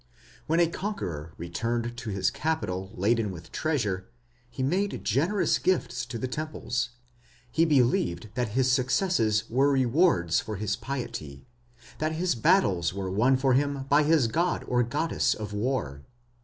When a conqueror returned to his capital laden with treasure, he made generous gifts to the temples. He believed that his successes were rewards for his piety, that his battles were won for him by his god or goddess of war.